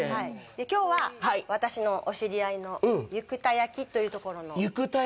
きょうは、私のお知り合いの横田焼きというところの。